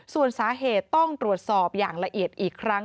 ส่วนสาเหตุต้องตรวจสอบอย่างละเอียดอีกครั้ง